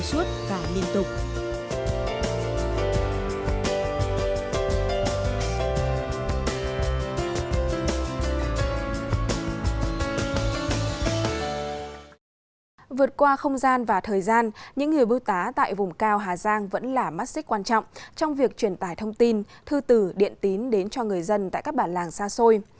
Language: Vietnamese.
vượt qua không gian và thời gian những người bưu tá tại vùng cao hà giang vẫn là mắt xích quan trọng trong việc truyền tải thông tin thư từ điện tín đến cho người dân tại các bản làng xa xôi